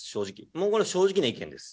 もうこれ、正直な意見です。